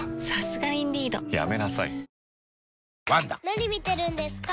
・何見てるんですか？